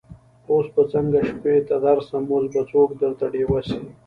اوس به څنګه شپې ته درسم اوس به څوک درته ډېوه سي